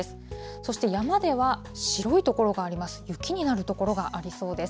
そして、山では白い所があります。